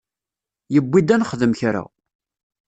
Yewwi-d ad nexdem kra.